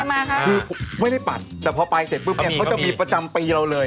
คือไม่ได้ปัดแต่พอไปเสร็จก็จะมีประจำปีเราเลย